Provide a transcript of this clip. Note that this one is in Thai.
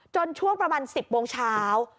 ช่วงประมาณ๑๐โมงเช้า